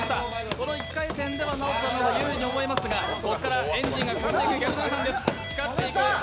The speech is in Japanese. この１回戦ではＮＡＯＴＯさんの方が有利に見えますがここからエンジンがかかっていくギャル曽根さんです。